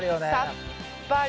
さっぱり！